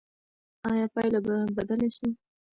ایا پایله به بدله شي؟